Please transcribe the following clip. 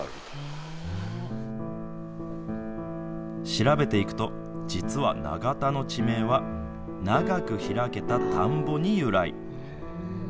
調べていくと、実は長田の地名は、長くひらけた田んぼに由来。